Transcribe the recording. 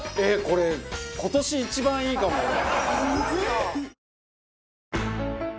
これ今年一番いいかも俺。